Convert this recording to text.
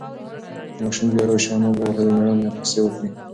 که ماشوم بیا راشي، انا به ورته د مېړانې قصې وکړي.